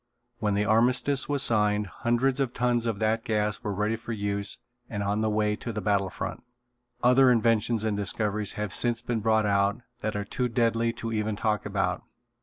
When the armistice was signed hundreds of tons of that gas were ready for use and on the way to the battle front. Other inventions and discoveries have since been brought out that are too deadly to even talk about.